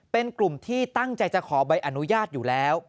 เป็นกลุ่มที่ตั้งใจจะขอใบอนุญาตอยู่แล้ว